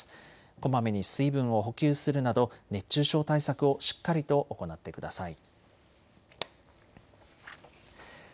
こまめに水分を補給するなど熱中症対策をしっかりと行ってください。